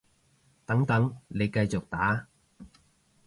等等，你繼續打